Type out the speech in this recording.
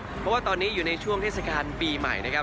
เพราะว่าตอนนี้อยู่ในช่วงเทศกาลปีใหม่นะครับ